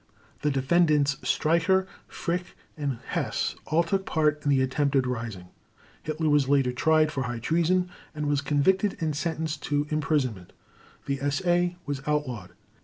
The Defendants Streicher, Frick, and Hess all took part in the attempted rising. Hitler was later tried for high treason, and was convicted and sentenced to imprisonment. The SA was outlawed.